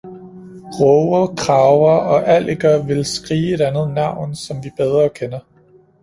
Råger, krager og alliker ville skrige et andet navn, som vi bedre kender